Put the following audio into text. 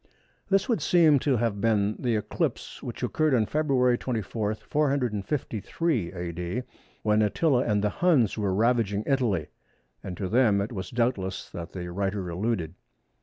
This would seem to have been the eclipse which occurred on February 24, 453 A.D., when Attila and the Huns were ravaging Italy, and to them it was doubtless that the writer alluded.